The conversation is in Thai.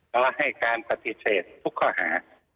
เขาให้การปฏิเสธทุกข้อหา